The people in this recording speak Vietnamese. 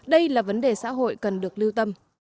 đây là vấn đề xã hội cần được lưu tâm